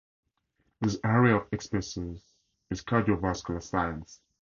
His area of expertise is cardiovascular science.